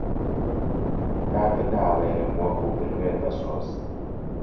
تا بناڵێنم وەکوو بلوێر بەسۆز